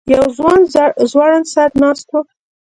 یو ځوان ځوړند سر ناست و.